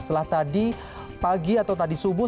setelah tadi pagi atau tadi subuh